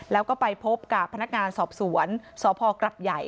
แล้วก็ไปพบกับพนักงานสอบสวนสพกรับใหญ่